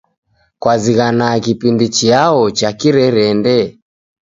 Kwazighana kipindi chiao cha kirerende?